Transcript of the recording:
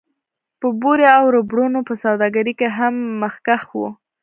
د بورې او ربړونو په سوداګرۍ کې هم مخکښ و